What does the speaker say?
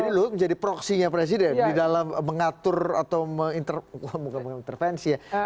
jadi luhut menjadi proksinya presiden di dalam mengatur atau mengintervensi ya